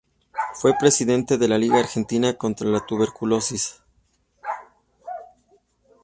Fue presidente de la Liga Argentina contra la Tuberculosis.